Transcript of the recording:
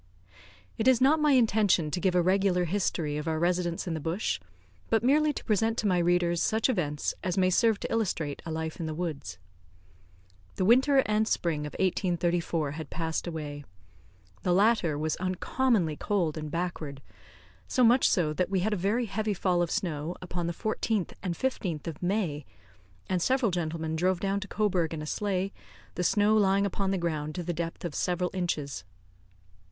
It is not my intention to give a regular history of our residence in the bush, but merely to present to my readers such events as may serve to illustrate a life in the woods. The winter and spring of 1834 had passed away. The latter was uncommonly cold and backward; so much so that we had a very heavy fall of snow upon the 14th and 15th of May, and several gentlemen drove down to Cobourg in a sleigh, the snow lying upon the ground to the depth of several inches.